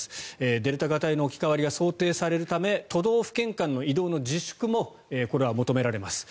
デルタ型への置き換わりが想定されるため都道府県間の移動の自粛もこれは求められます。